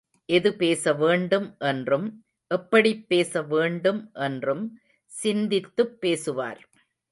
எது பேசவேண்டும் என்றும், எப்படிப் பேசவேண்டும் என்றும் சிந்தித்துப் பேசுவார்.